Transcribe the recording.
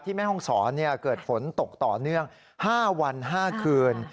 แม่ห้องศรเกิดฝนตกต่อเนื่อง๕วัน๕คืน